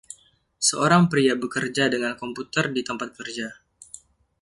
Seorang pria bekerja dengan komputer di tempat kerja.